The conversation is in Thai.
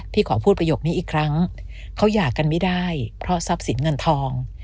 ขอพูดประโยคนี้อีกครั้งเขาหย่ากันไม่ได้เพราะทรัพย์สินเงินทอง